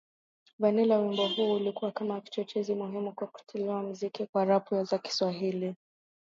Vanilla Wimbo huo ulikuwa kama kichocheo muhimu cha kuzaliwa muziki wa rapu za Kiswahili